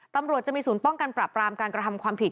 ตำรวจจะมีศูนย์ป้องกันปรับรามการกระทำความผิด